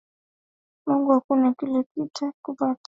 Ukimtumainiye Mungu akuna kile kita kupata